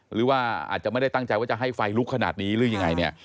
หรือว่าอาจจะไม่ได้ตั้งใจว่าจะให้ไฟลุกขนาดนี้หรือยังไงเนี่ย